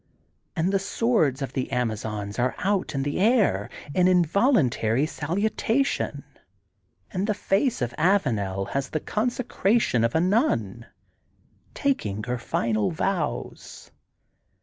And the swords of the Amazons are out in the air in involuntary salutation, and the face of Avanel has the consecration of a nun, tak ing her final vows.